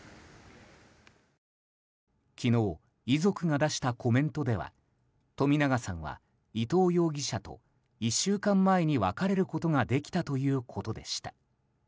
昨日遺族が出したコメントでは冨永さんは伊藤容疑者と１週間前に別れることができたということでした。